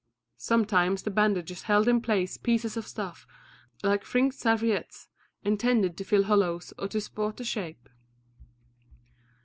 Sometimes the bandages held in place pieces of stuff like fringed serviettes intended to fill hollows or to support the shape.